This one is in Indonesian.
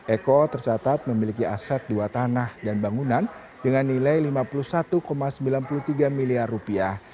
eko tercatat memiliki aset dua tanah dan bangunan dengan nilai lima puluh satu sembilan puluh tiga miliar rupiah